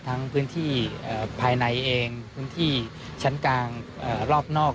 พื้นที่ภายในเองพื้นที่ชั้นกลางรอบนอก